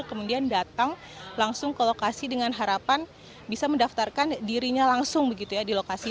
kemudian datang langsung ke lokasi dengan harapan bisa mendaftarkan dirinya langsung begitu ya di lokasi